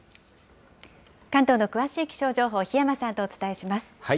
関東の詳しい気象情報、檜山さんとお伝えします。